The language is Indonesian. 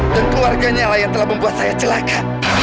dan keluarganya yang telah membuat saya celaka